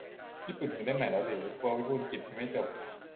ญี่ปุ่นถึงเล่มไหนแล้วหรือ กลัววิบูลย์กิจพิมพ์ไม่จบ